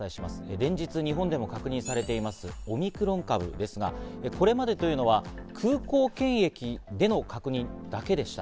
連日、日本でも確認されているオミクロン株ですが、これまでというのは空港検疫での確認だけでした。